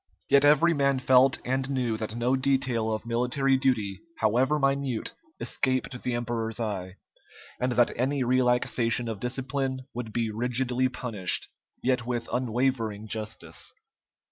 Yet every man felt and knew that no detail of military duty, however minute, escaped the emperor's eye, and that any relaxation of discipline would be rigidly punished, yet with unwavering justice.